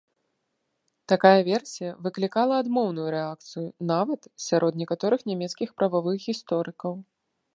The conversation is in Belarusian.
Такая версія выклікала адмоўную рэакцыю нават сярод некаторых нямецкіх правых гісторыкаў.